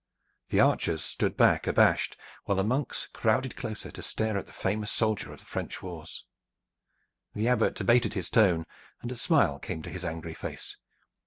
The archers stood back abashed, while the monks crowded closer to stare at the famous soldier of the French wars. The Abbot abated his tone, and a smile came to his angry face.